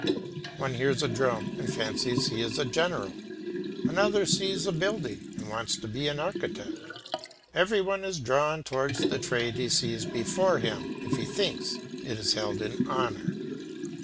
One hears a drum and fancies he is a general; another sees a building and wants to be an architect. Every one is drawn towards the trade he sees before him if he thinks it is held in honour.